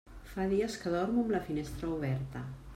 Fa dies que dormo amb la finestra oberta.